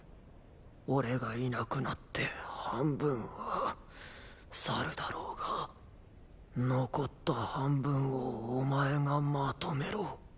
俺がいなくなって半分は去るだろうが残った半分をお前がまとめろ。